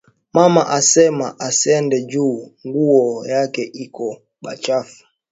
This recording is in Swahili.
Mama asema asiende ju nguwo yake iko buchafu